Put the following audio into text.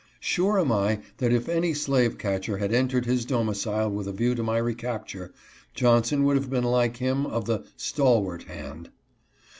Sure am I that if any slave catcher had entered his domi cile with a view to my recapture, Johnson would have been like him of the " stalwart hand."